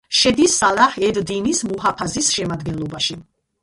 შედის სალაჰ-ედ-დინის მუჰაფაზის შემადგენლობაში.